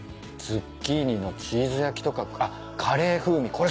ズッキーニのチーズ焼きとかあっカレー風味。